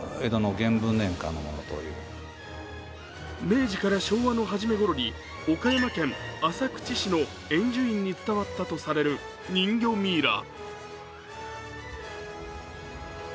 明治から昭和の初め頃に岡山県浅口市の円珠院に伝わったとされる人魚ミイラ。